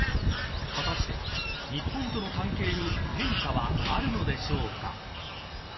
果たして、日本との関係に変化はあるのでしょうか。